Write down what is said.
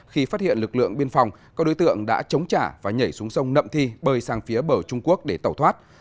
khi phát hiện lực lượng biên phòng các đối tượng đã chống trả và nhảy xuống sông nậm thi bơi sang phía bờ trung quốc để tẩu thoát